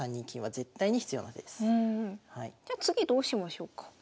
じゃあ次どうしましょうか？